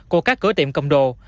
của các cửa tiệm cầm đồ